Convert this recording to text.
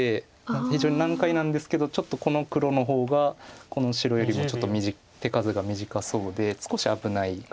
非常に難解なんですけどちょっとこの黒の方がこの白よりもちょっと手数が短そうで少し危ないかもしれない。